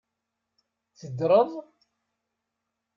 Teddreḍ?